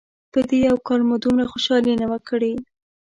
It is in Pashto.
په دې یو کال مو دومره خوشحالي نه وه کړې.